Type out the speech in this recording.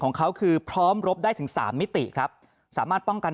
ของเขาคือพร้อมรบได้ถึงสามมิติครับสามารถป้องกัน